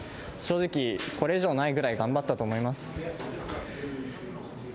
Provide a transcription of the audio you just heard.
正直、これ以上ないぐらい頑張ったと思います。